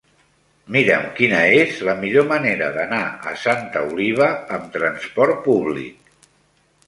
Mira'm quina és la millor manera d'anar a Santa Oliva amb trasport públic.